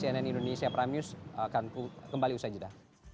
cnn indonesia prime news akan kembali usai jeda